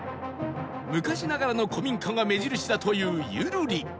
昔ながらの古民家が目印だというユルリ